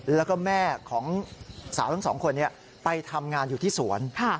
แล้วก็แม่ของสาวทั้งสองคนไปทำงานอยู่ที่สวน